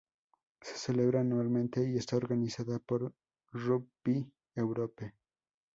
Se celebra anualmente y está organizado por Rugby Europe.